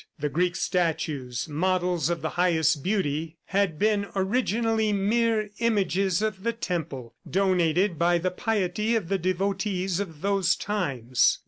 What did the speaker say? The Greek statues, models of the highest beauty, had been originally mere images of the temple, donated by the piety of the devotees of those times.